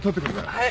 はい。